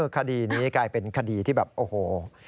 คดีนี้กลายเป็นคดีที่แบบโอ้โห